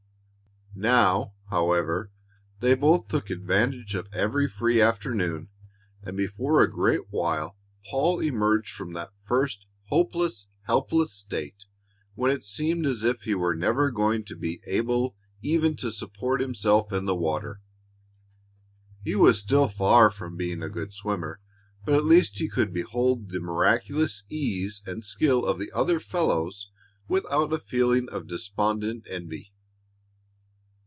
Now, however, they both took advantage of every free afternoon, and before a great while Paul emerged from that first hopeless, helpless state when it seemed as if he were never going to be able even to support himself in the water. He was still far from being a good swimmer, but at least he could behold the miraculous ease and skill of the other fellows without a feeling of despondent envy.